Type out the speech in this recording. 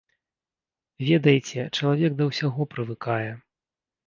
Ведаеце, чалавек да ўсяго прывыкае.